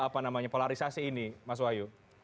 polarisasi ini mas wahyu